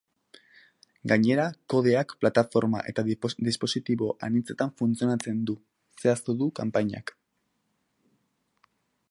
Gainera, kodeak plataforma eta dispositibo anitzetan funtzionatzen du, zehaztu du konpainiak.